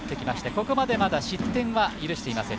ここまでまだ失点は許していません。